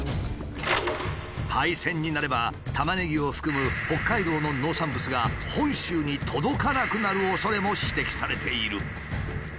廃線になればタマネギを含む北海道の農産物が本州に届かなくなるおそれも指摘されている。